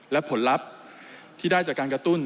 และผลลัพธ์ที่ได้จากการกระตุ้น